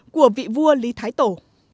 của vị vua lý thái tổ